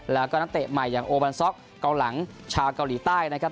แล้วก็นักเตะใหม่อย่างโอบันซ็อกเกาหลังชาวเกาหลีใต้นะครับ